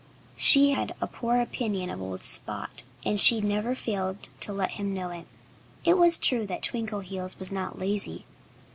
She had a poor opinion of old Spot. And she never failed to let him know it. It was true that Twinkleheels was not lazy.